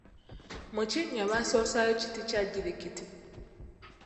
Mu kinnya basoosaayo kiti kya jjirikiti.